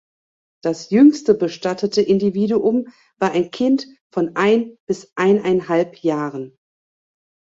Das jüngste bestattete Individuum war ein Kind von ein bis eineinhalb Jahren.